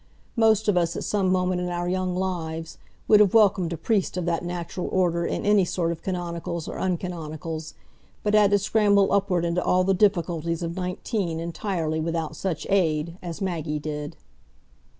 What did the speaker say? Most of us, at some moment in our young lives, would have welcomed a priest of that natural order in any sort of canonicals or uncanonicals, but had to scramble upward into all the difficulties of nineteen entirely without such aid, as Maggie did.